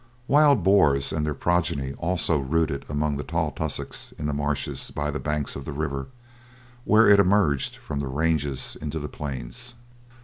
Wild boars and their progeny also rooted among the tall tussocks in the marshes by the banks of the river, where it emerged from the ranges into the plains.